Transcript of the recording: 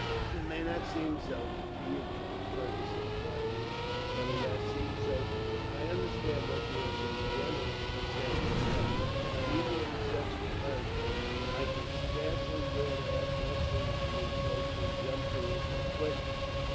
"It may not seem so to you, count," Fergus said quietly; "but it has seemed so to me. I understand what you are so generously saying but, even with such encouragement, I can scarce dare to ask what seems to me so presumptuous a question.